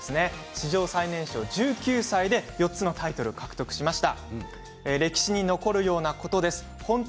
史上最年少１９歳で４つのタイトルを獲得しました。